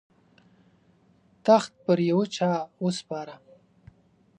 تخت پر یوه چا وسپاره.